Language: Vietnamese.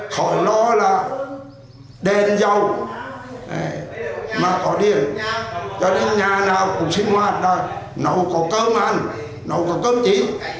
khỏi lo là đèn dầu mà có điện cho đến nhà nào cũng sinh hoạt nấu có cơm ăn nấu có cơm chí